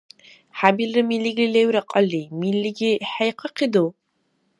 ХӀябилра милигли левра кьалли, милиги хӀейхъахъиду?